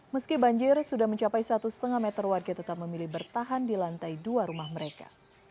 meski banjir sudah mencapai satu lima meter warga tetap memilih bertahan di lantai dua rumah mereka